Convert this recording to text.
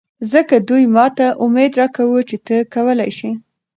ځکه دوي ماته اميد راکوه چې ته کولې شې.